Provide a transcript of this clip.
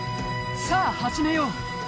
さあ、始めよう。